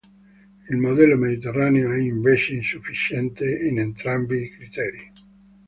Il modello mediterraneo è invece insufficiente in entrambi i criteri.